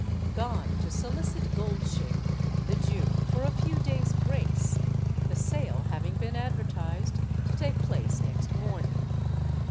Gone to solicit Goldshig the Jew for a few days' grace, the sale having been advertised to take place next morning!